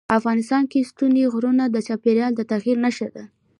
افغانستان کې ستوني غرونه د چاپېریال د تغیر نښه ده.